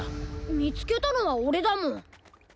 みつけたのはオレだもん。